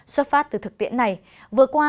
xuất phát từ thực tiễn này vừa qua